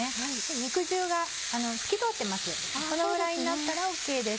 肉汁が透き通ってます